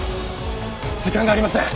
時間がありません！